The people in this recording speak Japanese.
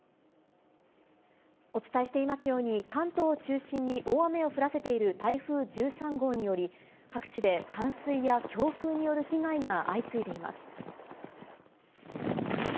お伝えしていますように、関東を中心に大雨を降らせている台風１３号により、各地で冠水や強風による被害が相次いでいます。